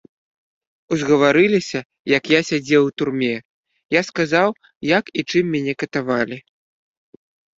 Узгаварыліся, як я сядзеў у турме, я сказаў, як і чым мяне катавалі.